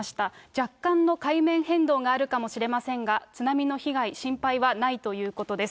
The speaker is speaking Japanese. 若干の海面変動があるかもしれませんが、津波の被害、心配はないということです。